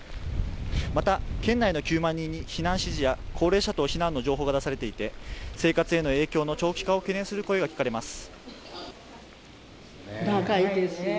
また県内の９万人に避難指示や高齢者等避難の情報が出されていて生活への影響の長期化を懸念する声が聞かれます